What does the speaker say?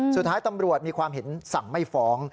สุดท้ายตำรวจมีความเห็นสั่งไม่ฟ้อง